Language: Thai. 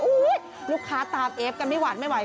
อุ๊ยลูกค้าตามเอฟกันไม่หวัดไม่ไหว